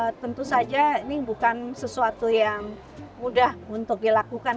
ya tentu saja ini bukan sesuatu yang mudah untuk dilakukan